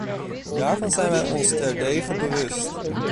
Daarvan zijn wij ons terdege bewust.